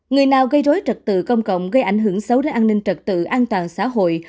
người nào gây rối trật tự công cộng gây ảnh hưởng xấu đến an ninh trật tự an toàn xã hội